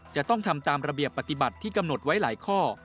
จะต้องทำตามระเบียบปฏิบัติที่กำหนดไว้หลายข้อ